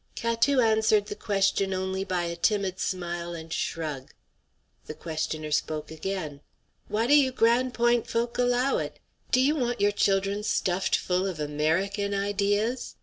Catou answered the question only by a timid smile and shrug. The questioner spoke again: "Why do you Grande Pointe folk allow it? Do you want your children stuffed full of American ideas?